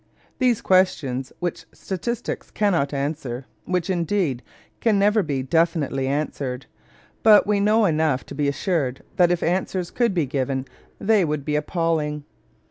These are questions which statistics cannot answer, which, indeed, can never be definitely answered; but we know enough to be assured that if answers could be given, they would be appalling.